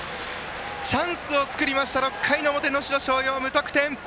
チャンスを作りましたが６回表の能代松陽、無得点。